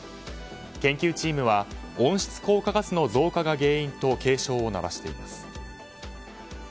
研究チームは温室効果ガスの増加が原因と警鐘を鳴らしています。